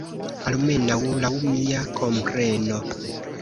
Almenaŭ laŭ mia kompreno.